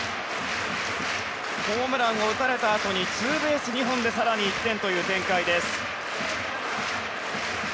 ホームランを打たれたあとにツーベース２本で更に１点という展開です。